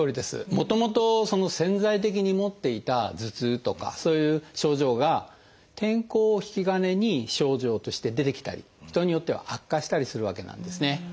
もともと潜在的に持っていた頭痛とかそういう症状が天候を引き金に症状として出てきたり人によっては悪化したりするわけなんですね。